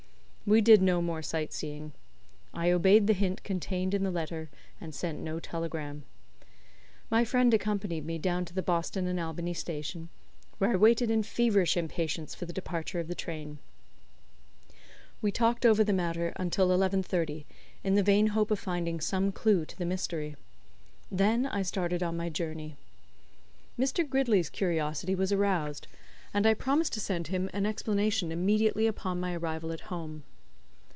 We did no more sight seeing. I obeyed the hint contained in the letter, and sent no telegram. My friend accompanied me down to the Boston and Albany station, where I waited in feverish impatience for the departure of the train. We talked over the matter until 11.30, in the vain hope of finding some clue to the mystery. Then I started on my journey. Mr. Gridley's curiosity was aroused, and I promised to send him an explanation immediately upon my arrival at home.